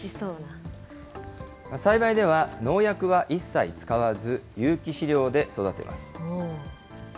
栽培では農薬は一切使わず、有機肥料で育てます。